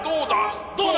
どうだ？